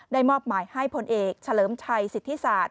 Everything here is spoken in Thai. มอบหมายให้พลเอกเฉลิมชัยสิทธิศาสต